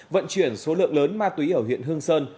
vận chuyển số lượng lớn ma túy ở huyện hương sơn